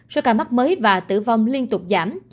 số ca mắc mới và tử vong liên tục giảm